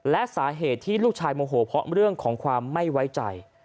และสาเหตุที่ลูกชายโมโหเพราะเรื่องของความไม่ไว้ใจ